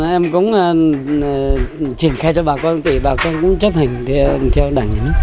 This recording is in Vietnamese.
em cũng triển khai cho bà con vì bà con cũng chấp hành theo đảng nhân